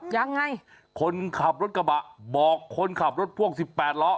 ยังไงคนขับรถกระบะบอกคนขับรถพ่วง๑๘ล้อ